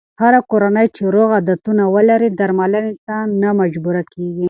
هره کورنۍ چې روغ عادتونه ولري، درملنې ته نه مجبوره کېږي.